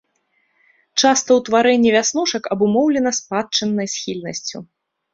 Часта ўтварэнне вяснушак абумоўлена спадчыннай схільнасцю.